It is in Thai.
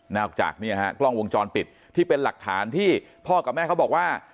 จากเนี่ยฮะกล้องวงจรปิดที่เป็นหลักฐานที่พ่อกับแม่เขาบอกว่า